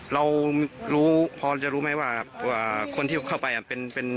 เรารู้พอจะรู้ไหมว่าว่าคนที่เข้าไปอ่ะเป็นเป็น